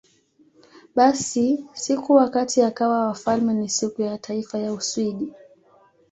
Basi, siku wakati akawa wafalme ni Siku ya Taifa ya Uswidi.